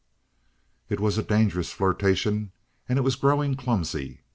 It was a dangerous flirtation and it was growing clumsy.